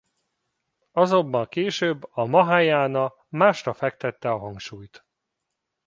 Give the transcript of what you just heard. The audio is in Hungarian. Azonban később a mahájána másra fektette a hangsúlyt.